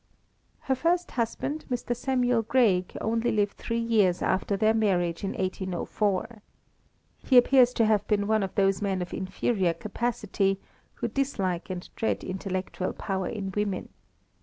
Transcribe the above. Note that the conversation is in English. Her first husband, Mr. Samuel Greig, only lived three years after their marriage in 1804. He appears to have been one of those men of inferior capacity, who dislike and dread intellectual power in women.